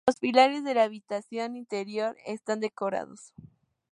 Las pilares de la habitación interior están decorados.